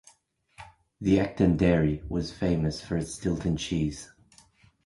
The Ecton dairy was famous for its Stilton cheese.